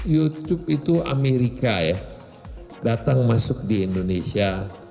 youtube itu amerika ya datang masuk di indonesia